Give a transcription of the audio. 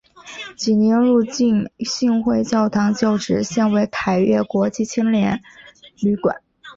济宁路浸信会教堂旧址现为凯越国际青年旅馆。